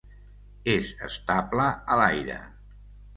És estable a l'aire.